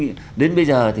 thế nhưng đến bây giờ